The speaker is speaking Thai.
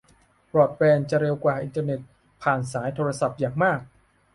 บรอดแบนด์จะเร็วกว่าอินเทอร์เน็ตผ่านสายโทรศัพท์อย่างมาก